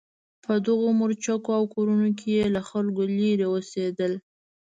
په دغو مورچو او کورونو کې یې له خلکو لرې اوسېدل.